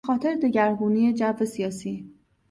به خاطر دگرگونی جو سیاسی